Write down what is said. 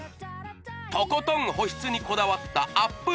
とことん保湿にこだわったアップ